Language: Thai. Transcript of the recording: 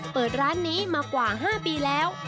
เปิดร้านนี้มากว่า๕ปีแล้ว